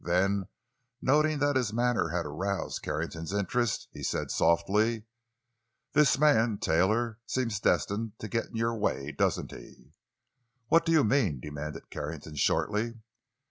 Then, noting that his manner had aroused Carrington's interest, he said softly: "This man, Taylor, seems destined to get in your way, doesn't he?" "What do you mean?" demanded Carrington shortly.